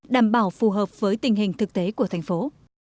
đảm bảo phù hợp với tình hình thực tế của thành phố